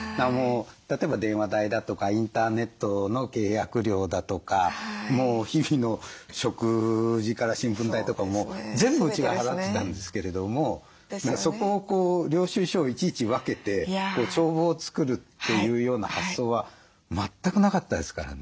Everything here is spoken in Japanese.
例えば電話代だとかインターネットの契約料だとか日々の食事から新聞代とかも全部うちが払ってたんですけれどもそこをこう領収書をいちいち分けて帳簿を作るっていうような発想は全くなかったですからね。